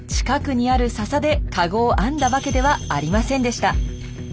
近くにあるササでカゴを編んだわけではありませんでした。